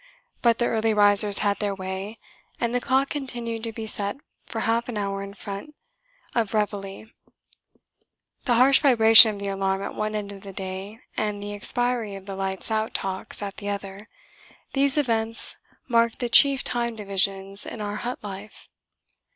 But the early risers had their way, and the clock continued to be set for half an hour in front of Réveillé. The harsh vibration of the alarm at one end of the day, and the expiry of the Lights Out talks at the other these events marked the chief time divisions in our hut life.